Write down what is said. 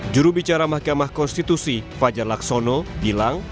jurubicara mahkamah konstitusi fajar laksono bilang